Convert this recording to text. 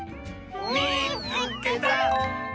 「みいつけた」！